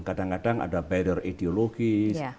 kadang kadang ada barrier ideologis